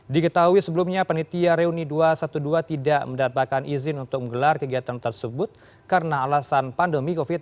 diketahui sebelumnya penitia reuni dua ratus dua belas tidak mendapatkan izin untuk menggelar kegiatan tersebut karena alasan pandemi covid sembilan belas